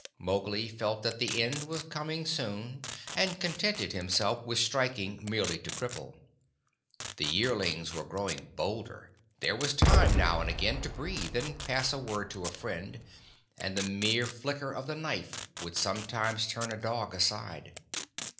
Mowgli felt that the end was coming soon, and contented himself with striking merely to cripple. The yearlings were growing bolder; there was time now and again to breathe, and pass a word to a friend, and the mere flicker of the knife would sometimes turn a dog aside.